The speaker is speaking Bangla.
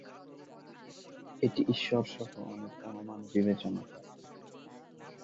এটি ঈশ্বর সহ অনেক অনুমান বিবেচনা করে।